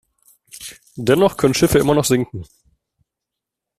Dennoch können Schiffe immer noch sinken.